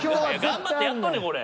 頑張ってやっとんねんこれ。